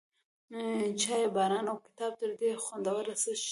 چای، باران، او کتاب، تر دې خوندور څه شته؟